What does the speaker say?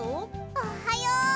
おはよう！